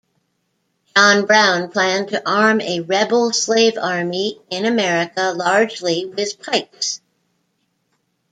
John Brown planned to arm a rebel slave army in America largely with pikes.